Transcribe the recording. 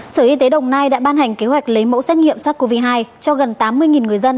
sở y tế đồng nai đã ban hành kế hoạch lấy mẫu xét nghiệm sắc covid một mươi chín cho gần tám mươi người dân